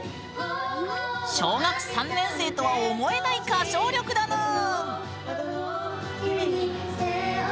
小学３年生とは思えない歌唱力だぬん！